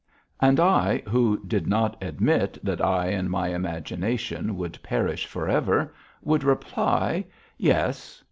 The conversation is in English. And I, who did not admit that I and my imagination would perish for ever, would reply: "Yes.